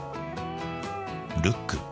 「ルック」。